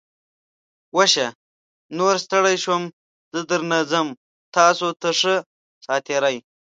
وشه. نوره ستړی شوم. زه درنه څم. تاسو ته ښه ساعتېری!